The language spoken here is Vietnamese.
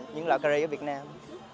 những loại cơ ri ở việt nam